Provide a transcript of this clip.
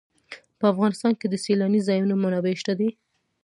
په افغانستان کې د سیلاني ځایونو منابع شته دي.